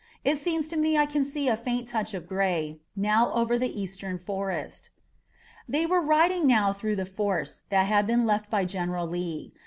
It seems to me I can see a faint touch of gray now over the eastern forest." They were riding now through the force that had been left by General Lee.